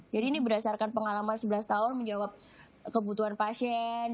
jadi ini berdasarkan pengalaman sebelas tahun menjawab kebutuhan pasien